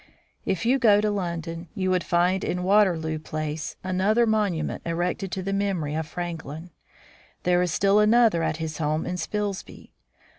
If you should go to London, you would find in Waterloo Place another monument erected to the memory of Frank lin. There is still another at his home in Spilsby.